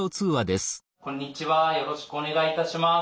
こんにちはよろしくお願いいたします。